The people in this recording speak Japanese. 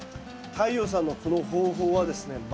太陽さんのこの方法はですね